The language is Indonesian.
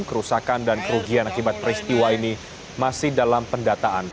kerusakan dan kerugian akibat peristiwa ini masih dalam pendataan